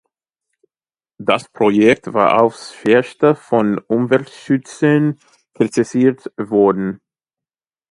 Das Projekt war aufs schwerste von Umweltschützern kritisiert worden.